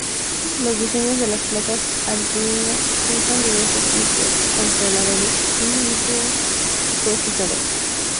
Los diseños de las placas Arduino usan diversos microcontroladores y microprocesadores.